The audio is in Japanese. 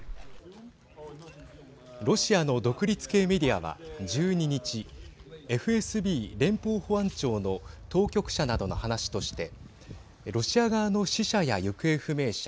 ロシアの独立系メディアは１２日ＦＳＢ＝連邦保安庁の当局者などの話としてロシア側の死者や行方不明者